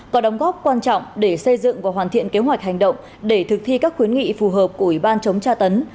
có đóng góp quan trọng để xây dựng và hoàn thiện kế hoạch hành động để thực thi các khuyến nghị phù hợp của ủy ban chống tra tấn